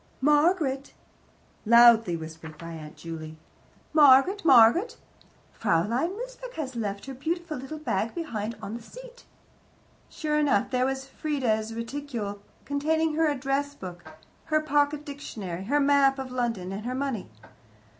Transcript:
"Margaret " loudly whispered by Aunt Juley. "Margaret, Margaret! Fraulein Mosebach has left her beautiful little bag behind her on the seat." Sure enough, there was Frieda's reticule, containing her address book, her pocket dictionary, her map of London, and her money.